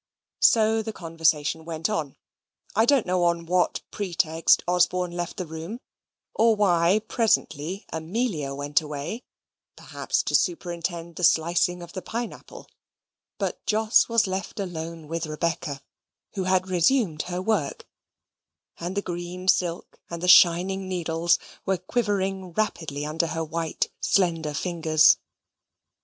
So the conversation went on. I don't know on what pretext Osborne left the room, or why, presently, Amelia went away, perhaps to superintend the slicing of the pine apple; but Jos was left alone with Rebecca, who had resumed her work, and the green silk and the shining needles were quivering rapidly under her white slender fingers.